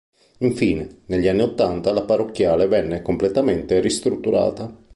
Infine, negli anni ottanta la parrocchiale venne completamente ristrutturata.